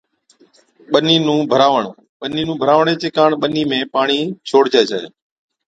ٻنِي نُون ڀراوَڻ، ٻنِي ڀراوَڻي چي ڪاڻ ٻنِي ۾ پاڻِي ڇوڙجَي ڇَي۔